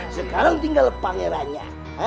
sekarang tinggal pangerannya